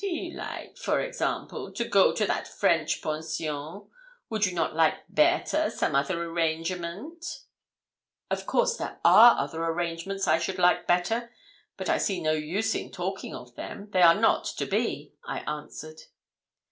'Do you like, for example, to go to that French Pension? Would you not like better some other arrangement?' 'Of course there are other arrangements I should like better; but I see no use in talking of them; they are not to be,' I answered.